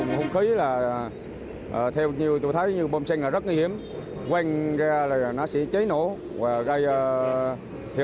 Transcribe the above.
chúng tôi đồng thời tháng một mươi hai tháng một mươi năm tháng một mươi chín tháng hai mươi vir merryigeau tỉnh huch control of vinh